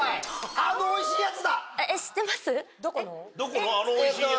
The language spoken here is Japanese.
あのおいしいやつ。